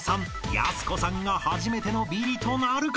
やす子さんが初めてのビリとなるか？］